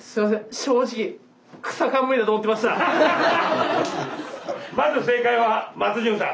正直まず正解は松潤さん。